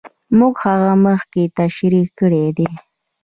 موږ هغه مخکې تشرېح کړې دي.